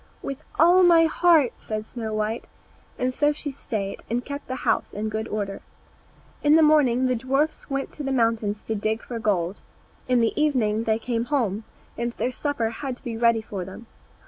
"With all my heart," said Snow white; and so she stayed, and kept the house in good order. In the morning the dwarfs went to the mountain to dig for gold; in the evening they came home, and their supper had to be ready for them.